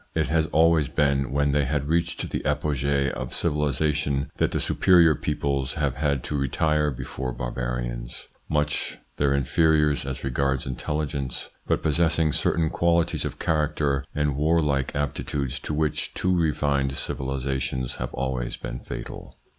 It has always been when they had reached the apogee of civilisation, that the superior peoples have had to retire before barbarians, much their inferiors as regards intelligence, but posses sing certain qualities of character and warlike aptitudes to which too refined civilisations have always been fatal.